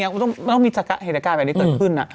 อย่านะไม่ต้องมีเหตุการณ์แบบนี้เกิดขึ้น